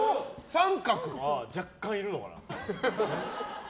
若干、いるのかな。